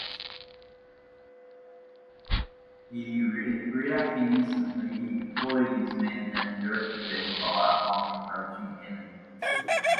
Reacting instantly, he deployed his men and directed their fire on the approaching enemy.